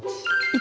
１。